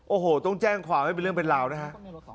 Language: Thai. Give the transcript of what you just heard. โอ้โหต้องแจ้งความให้เป็นเรื่องเป็นราวนะฮะ